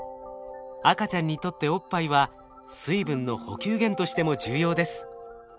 赤ちゃんにとっておっぱいは水分の補給源としても重要です。